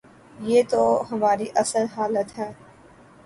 یہ تو ہماری اصل حالت ہے۔